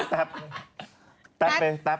แป๊บไปแป๊บนะ